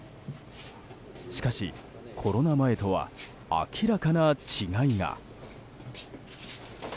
しかし、コロナ前とは明らかな違いが。